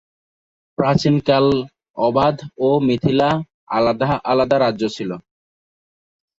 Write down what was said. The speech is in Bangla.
প্রাচীনকালে অবাধ ও মিথিলা আলাদা-আলাদা রাজ্য ছিলো।